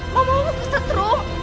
mama mau ke setrum